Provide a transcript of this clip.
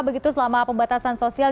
begitu selama pembatasan sosial